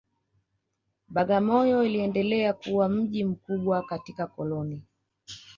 Bagamoyo iliendelea kuwa mji mkubwa katika koloni